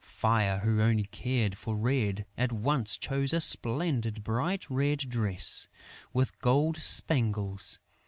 Fire, who only cared for red, at once chose a splendid bright red dress, with gold spangles.